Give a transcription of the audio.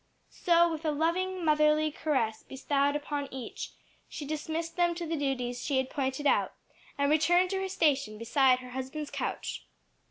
So with a loving, motherly caress bestowed upon each, she dismissed them to the duties she had pointed out, and returned to her station beside her husband's couch.